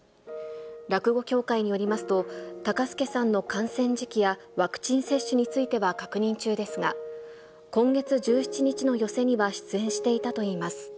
落語協会によりますと、多歌介さんの感染時期やワクチン接種については確認中ですが、今月１７日の寄席には出演していたといいます。